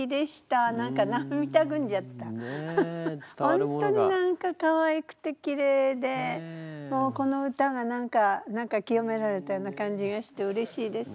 本当に何かかわいくてきれいでもうこの歌が何か清められたような感じがしてうれしいです。